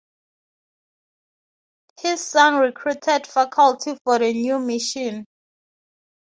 His son recruited faculty for the new mission.